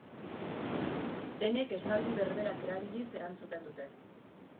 Denek esaldi berberak erabiliz erantzuten dute.